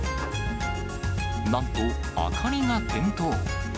なんと、明かりが点灯。